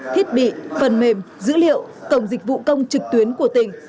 thiết bị phần mềm dữ liệu cổng dịch vụ công trực tuyến của tỉnh